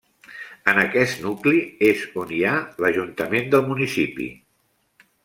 En aquest nucli és on hi ha l'ajuntament del municipi.